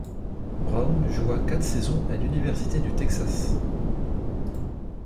Brown joua quatre saisons à l'Université du Texas.